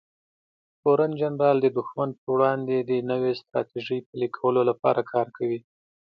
تورن جنرال د دښمن پر وړاندې د نوې ستراتیژۍ پلي کولو لپاره کار کوي.